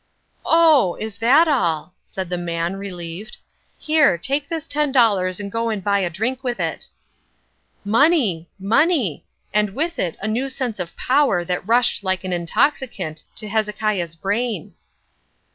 "Oh! is that all," said the man, relieved. "Here, take this ten dollars and go and buy a drink with it." Money! money! and with it a new sense of power that rushed like an intoxicant to Hezekiah's brain.